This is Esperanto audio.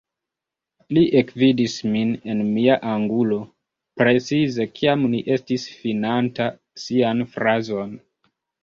Li ekvidis min en mia angulo, precize kiam li estis finanta sian frazon.